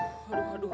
aduh aduh aduh